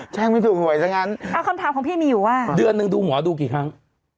ช่างไม่ถูกหวยซะงั้นคำถามของพี่มีอยู่ว่าเดือนหนึ่งดูหมอดูกี่ครั้ง